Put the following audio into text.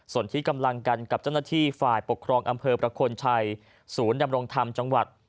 ส่วนที่กำลังกันกับเจ้าหน้าที่ฝ่ายปกครองอำเภอประคลชัยศูนย์ดำรงธรรมจังหวัด